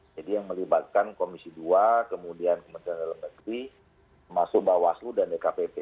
jadi yang melibatkan komisi dua kemudian kementerian negeri termasuk mbak waslu dan dkpp